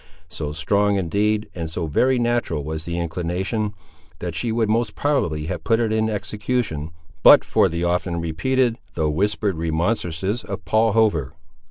So strong, indeed, and so very natural was the inclination, that she would most probably have put it in execution, but for the often repeated though whispered remonstrances of Paul Hover.